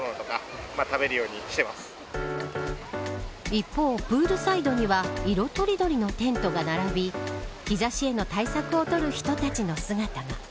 一方、プールサイドには色とりどりのテントが並び日差しへの対策を取る人たちの姿が。